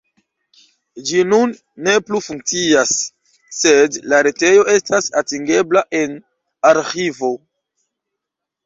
Ĝi nun ne plu funkcias, sed la retejo estas atingebla en arĥivo.